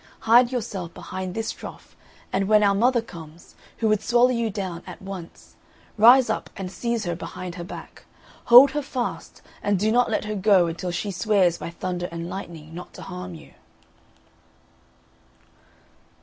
Hide yourself behind this trough, and when our mother comes, who would swallow you down at once, rise up and seize her behind her back; hold her fast, and do not let her go until she swears by Thunder and Lightning not to harm you."